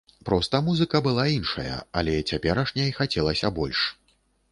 Проста музыка была іншая, але цяперашняй хацелася больш.